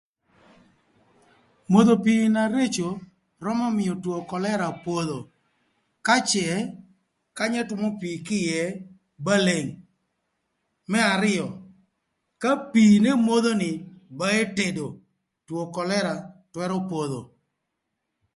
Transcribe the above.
Modho pii na rëcö römö mïö two kölëra podho ka cë kanya ëtwömö pii kï ïë ba leng, më arïö, ka pii n'emodho ba etedo, two kölëra twërö podho.